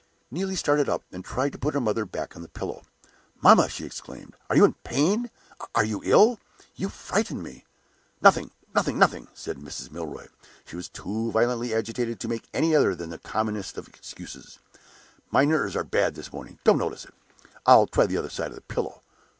Neelie started up, and tried to put her mother back on the pillow. "Mamma!" she exclaimed, "are you in pain? Are you ill? You frighten me!" "Nothing, nothing, nothing," said Mrs. Milroy. She was too violently agitated to make any other than the commonest excuse. "My nerves are bad this morning; don't notice it. I'll try the other side of the pillow.